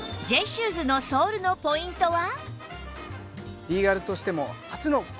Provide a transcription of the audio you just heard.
Ｊ シューズのソールのポイントは？